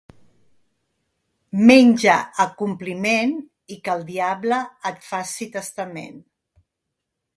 Menja a compliment i que el diable et faci testament.